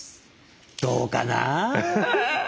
どうかな？